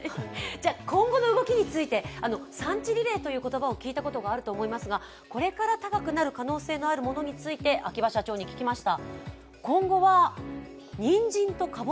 では、今後の動きについて産地リレーという言葉を聞いたことがあると思いますが、これから高くなる可能性があるものについて、秋葉社長に聞きました。